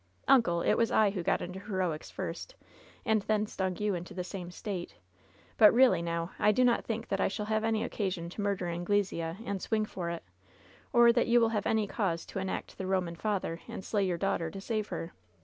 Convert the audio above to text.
"Uncle, it was I who got into heroics first, and then stung you into the same state. But really now, I do not think that I shall have any occasion to murder Angle sea and swing for it, or that you will have any cause to enact the Eoman father and slay your daughter to save her.